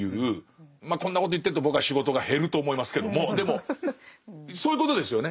まあこんなこと言ってると僕は仕事が減ると思いますけどもでもそういうことですよね？